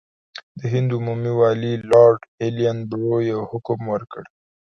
د هند عمومي والي لارډ ایلن برو یو حکم وکړ.